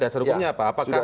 dasar hukumnya apa